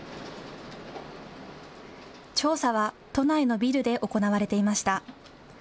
調査は都内のビルで行われていました。